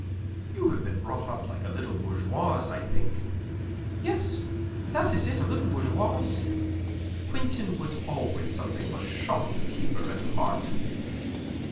You have been brought up like a little bourgeoise, I think. Yes, that is it a little bourgeoise. Quintin was always something of a shopkeeper at heart."